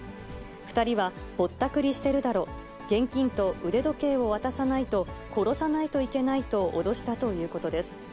２人は、ぼったくりしてるだろ、現金と腕時計を渡さないと殺さないといけないと脅したということです。